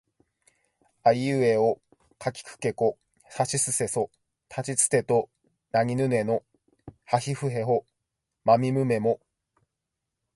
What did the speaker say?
あいうえおかきくけこさしすせそたちつてとなにぬねのはひふへほまみむめも